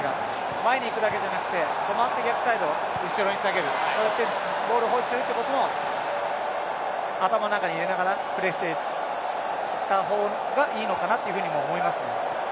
前に行くだけじゃなくて止まって逆サイド、後ろに下げるそうやってボールを保持することも頭の中に入れながらプレーしたほうがいいのかなというふうにも思いますね。